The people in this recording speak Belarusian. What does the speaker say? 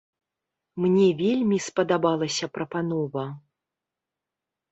Мне вельмі спадабалася прапанова.